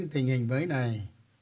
tình hình mới này